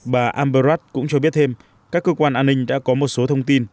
bà amber rudd cũng cho biết thêm các cơ quan an ninh đã có một số thông tin